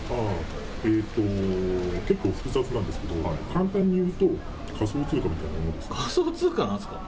えーと、結構、複雑なんですけれども、簡単に言うと仮想通貨仮想通貨なんですか？